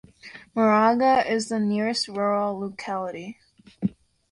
Maraga is the nearest rural locality.